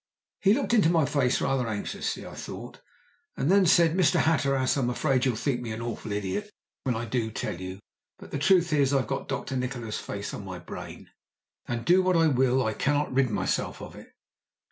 He looked into my face rather anxiously, I thought, and then said: "Mr. Hatteras, I'm afraid you'll think me an awful idiot when I do tell you, but the truth is I've got Dr. Nikola's face on my brain, and do what I will I cannot rid myself of it.